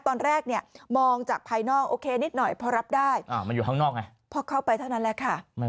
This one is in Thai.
ตอนแรกเนี่ยมองจากภายนอกโอเคนิดหน่อยพอรับได้พอเข้าไปเท่านั้นแหละค่ะ